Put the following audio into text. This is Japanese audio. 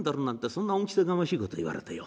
そんな恩着せがましいこと言われてよ